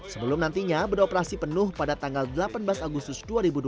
sebelum nantinya beroperasi penuh pada tanggal delapan belas agustus dua ribu dua puluh